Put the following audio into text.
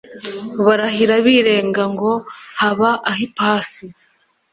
barahira birenga ngo haba ah'ipasi